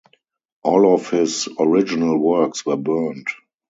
All of his original works were burned.